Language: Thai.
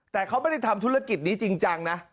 แต่เขาไม่ได้ทำธุรกิจนี้จริงจังนะ